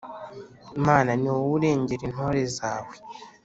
Mana niwowe urengera intore zawe